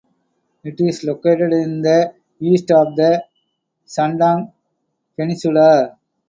It is located in the east of the Shandong Peninsula.